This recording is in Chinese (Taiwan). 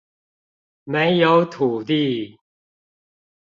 沒有土地！